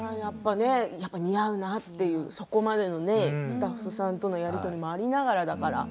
似合うなというそこまでのスタッフさんとのやり取りもありながらだから。